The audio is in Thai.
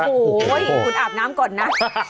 โอ้โหคุณอาบน้ำก่อนนะ